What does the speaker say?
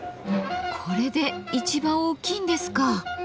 これで一番大きいんですか。